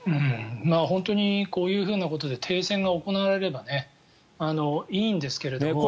本当にこういうふうなことで停戦が行われればいいんですけれども。